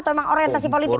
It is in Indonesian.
atau memang orientasi politik